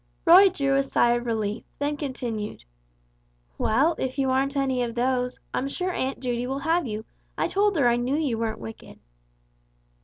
Roy drew a sigh of relief, then continued: "Well, if you aren't any of those, I'm sure Aunt Judy will have you, I told her I knew you weren't wicked."